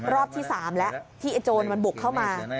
รอบที่๓แล้วที่ไอ้โจรมันบุกเข้ามา